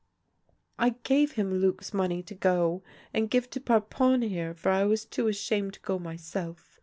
" I gave him Luc's money to go and give to Parpon here, for I was too ashamed to go myself.